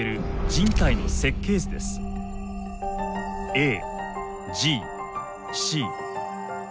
ＡＧＣＴ。